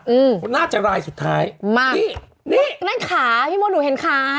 อืมน่าจะรายสุดท้ายนี่นี่นี่มานั่นค้าพี่ม่อนหนูเห็นค้า